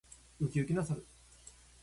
ウキウキな猿。